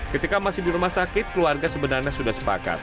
ketika masih di rumah sakit keluarga sebenarnya sudah sepakat